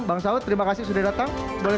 bang saud terima kasih sudah datang